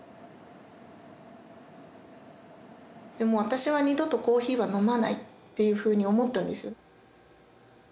もう私は二度とコーヒーは飲まないっていうふうに思ったんですよね。